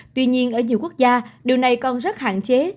tuy nhiên ở nhiều quốc gia điều này còn rất hạn chế